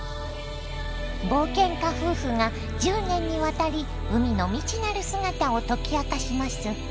冒険家夫婦が１０年にわたり海の未知なる姿を解き明かします。